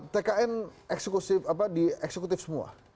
tkn eksekutif di eksekutif semua